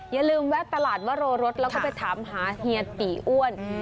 อย่าลืมแวะตลาดวโรรสแล้วก็ไปถามหาเฮียตีอ้วน